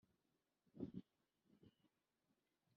Negebu yo mu gihugu cy i kan